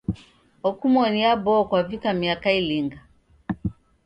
Okumoni Abo kwavika miaka ilinga?